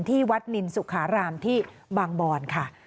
ที่วัดนินสุขารามที่บางบอนค่ะ